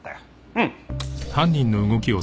うん。